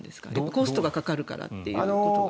コストがかかるからということが。